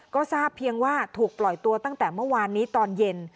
ก็ทราบเพียงว่าถูกปล่อยตัวตั้งแต่เมื่อวานนี้ตอนเย็น